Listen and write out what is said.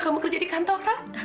kamu kerja di kantoran